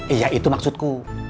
iya itu maksudku